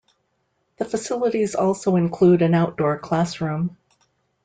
The facilities also include an outdoor classroom.